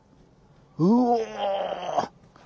うお！